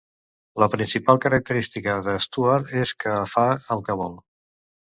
La principal característica de Stuart és que fa el que vol.